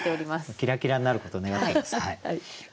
キラキラになることを願っています。